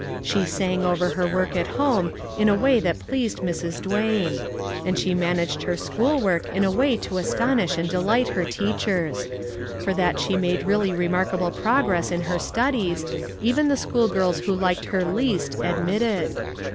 She sang over her work at home in a way that pleased Mrs. Duane; and she managed her school work in a way to astonish and delight her teachers; for that she made really remarkable progress in her studies, even the school girls who liked her least, admitted.